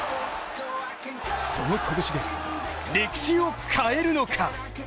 その拳で、歴史を変えるのか。